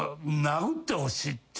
殴ってほしい。